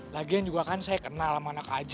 lagian juga kan saya kenal sama anak aja